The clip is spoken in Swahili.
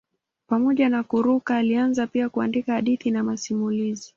Pamoja na kuruka alianza pia kuandika hadithi na masimulizi.